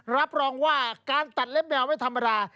รับรองว่าการตัดเล็บแมวไม่ธรรมดา